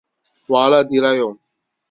瓦勒迪莱永。